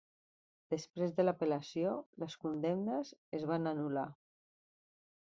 Després de l'apel·lació, les condemnes es van anul·lar.